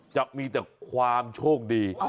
จะมีแต่ความโชคดี